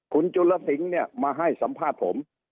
คุณจุลสิงห์เนี่ยมาให้สัมภาษณ์ผม